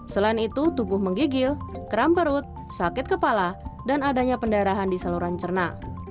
selain itu tubuh menggigil keram perut sakit kepala dan adanya pendarahan di saluran cerna